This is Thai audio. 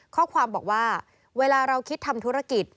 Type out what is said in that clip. ข้อความบอกว่าเวลาเราคิดทำธุรกิจ